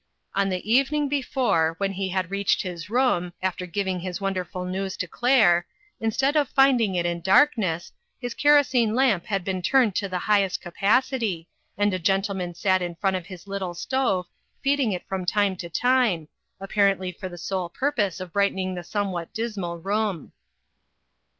On the evening before, when he had reached his room, after giving his wonder ful news to Claire, instead of finding it in darkness, his kerosene lamp had been turned to its highest capacity, and a gentleman sat in front of his little stove, feeding 3/2 INTERRUPTED. it from time to time, apparently for the sole purpose of brightening the somewhat dismal room.